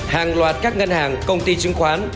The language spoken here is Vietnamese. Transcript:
hàng loạt các ngân hàng công ty chứng khoán